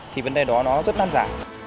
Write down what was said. thì vấn đề đó nó rất là năn giả